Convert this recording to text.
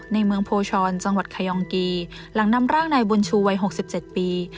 ในเมืองโพชอนจังหวัดไขยองกีหลังนำร่างนายบุญชูวัยหกสิบเจ็ดปี